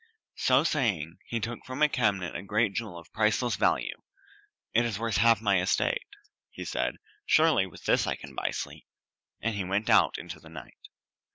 So saying, he took from a cabinet a great jewel of priceless value. "It is worth half my estate," he said. "Surely with this I can buy sleep." And he went out into the night.